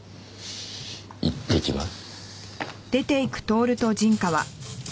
いってきます。